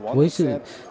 với sự kiểm tra